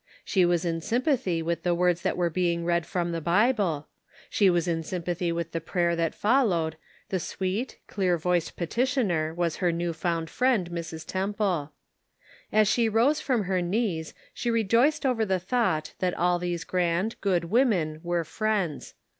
She was in sympathy witli the words that were being read from the Bible. She was in sympathy with the prayer that followed — the sweet, Perfect Love Oasteth out Fear. 187 clear voiced petitioner was her new found friend, Mrs. Temple. As she rose from her knees she rejoiced over the thought that all these grand, good women were friends.